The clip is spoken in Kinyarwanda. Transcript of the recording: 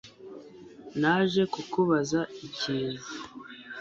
Naje kukubaza ikintu